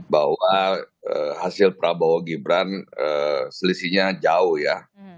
bahwa hasil prabowo gibran selisihnya jauh ya